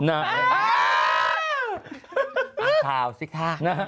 เอาข่าวสิคะ